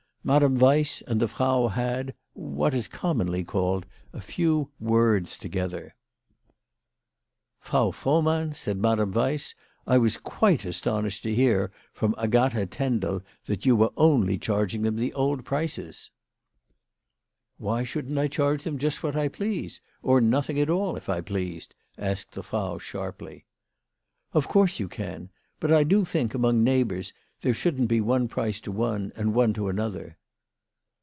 Madame Weiss and the Frau had, what is commonly called, a few words together. "Frau Frohmann," said Madame Weiss, "I was quite astonished to hear from Agatha Tendel that you were only charging them the old prices." WHY FRAU FROHMANN RAISED HER PRICES. 99 " Why shouldn't I charge them just what I please, or nothing at all, if I pleased ?" asked the Frau sharply. " Of course you can. But I do think, among neigh bours, there shouldn't be one price to one and one to another."